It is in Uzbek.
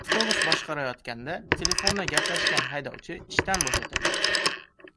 Avtobus boshqarayotganda telefonda gaplashgan haydovchi ishdan bo‘shatildi